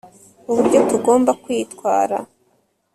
uburyo tugomba kwitwara